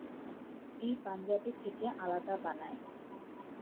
এই পাঞ্জাবি থেকে আলাদা বানায়।